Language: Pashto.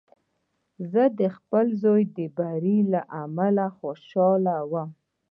زه د خپل زوی د بري له امله خوشحاله وم.